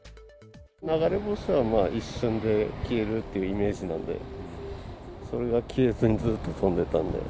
流れ星は一瞬で消えるというイメージなんで、それが消えずにずっと飛んでたんで。